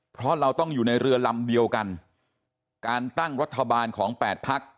เพราะเราต้องอยู่ในเรือลำเดียวกันการตั้งรัฐบาลของแปดพัก